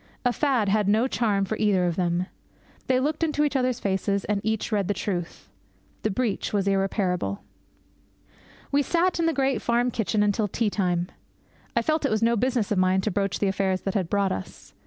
A fad had no charm for either of them. They looked into each other's faces, and each read the truth. The breach was irreparable. We sat in the great farm kitchen until tea time. I felt it was no business of mine to broach the affairs that had brought us.